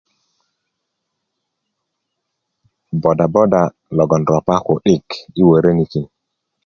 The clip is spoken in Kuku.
boda boda logon ropa ku'dik i woronikin